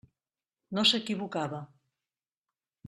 No s'equivocava.